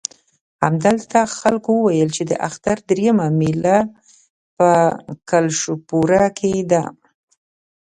همدلته خلکو وویل چې د اختر درېیمه مېله په کلشپوره کې ده.